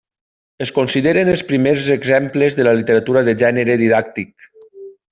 Es consideren els primers exemples de la literatura de gènere didàctic.